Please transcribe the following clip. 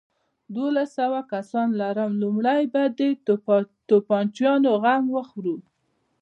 دوولس سوه کسان لرم، لومړۍ به د توپچيانو غم وخورو.